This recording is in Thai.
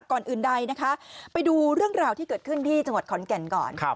ก่อนอื่นใดนะคะไปดูเรื่องราวที่เกิดขึ้นที่จังหวัดขอนแก่นก่อน